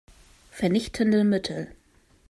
Vernichtende Mittel.